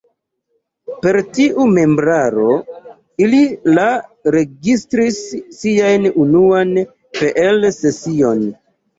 Per tiu membraro ili la registris sian unuan Peel-sesion.